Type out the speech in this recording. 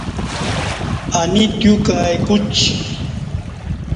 انی تیو کائی کوچی